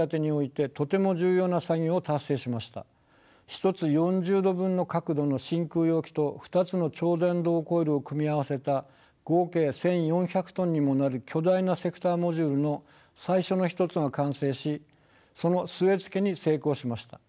一つ４０度分の角度の真空容器と２つの超電導コイルを組み合わせた合計１，４００トンにもなる巨大なセクターモジュールの最初の一つが完成しその据え付けに成功しました。